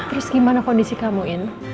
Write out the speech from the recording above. terus gimana kondisi kamu in